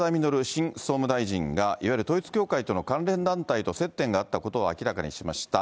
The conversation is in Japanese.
新総務大臣が、いわゆる統一教会との関連団体と接点があったことを明らかにしました。